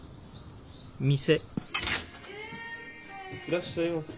いらっしゃいま。